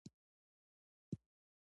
اداري اصلاحات یوازې عملي بڼه باید ولري